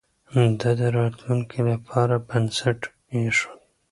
ده د راتلونکي لپاره بنسټ ايښود.